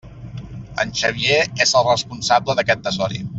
En Xavier és el responsable d'aquest desori!